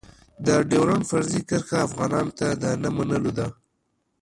د ډېورنډ فرضي کرښه افغانانو ته د نه منلو ده.